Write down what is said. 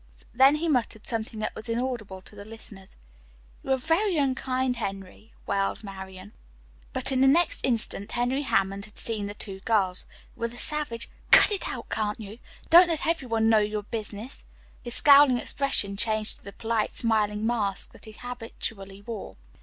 Then he muttered something that was inaudible to the listeners. "You are very unkind, Henry," wailed Marian. But in the next instant Henry Hammond had seen the two girls. With a savage "cut it out, can't you! Don't let every one know your business," his scowling expression changed to the polite smiling mask that he habitually wore.